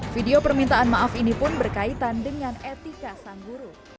video permintaan maaf ini pun berkaitan dengan etika sang guru